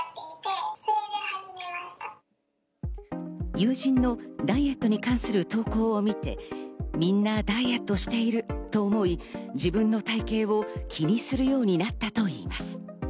友人のダイエットに関する投稿を見て、みんなダイエットしていると思い自分の体形を気にするようになったといいます。